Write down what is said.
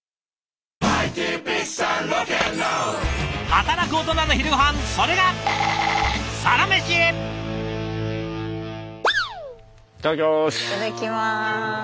働くオトナの昼ごはんそれがいただきます！